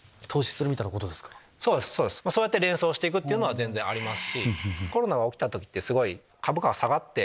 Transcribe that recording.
そうやって連想していくのは全然あります。